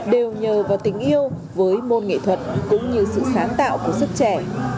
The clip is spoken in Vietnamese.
đều nhờ vào tình yêu với môn nghệ thuật cũng như sự sáng tạo của sức trẻ